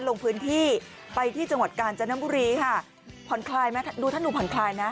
ลงพื้นที่ไปที่จังหวัดกาญจนบุรีค่ะผ่อนคลายไหมดูท่านดูผ่อนคลายนะ